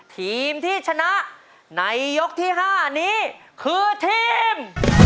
ทีมที่ชนะในยกที่๕นี้คือทีม